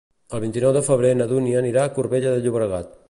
El vint-i-nou de febrer na Dúnia anirà a Corbera de Llobregat.